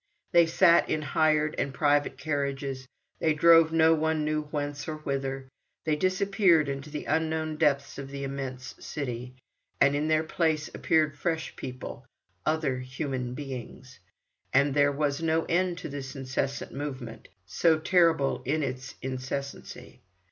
They sat in hired and private carriages, they drove no one knew whence or whither, they disappeared into the unknown depths of the immense city, and in their place appeared fresh people, other human beings, and there was no end to this incessant movement, so terrible in its incessancy.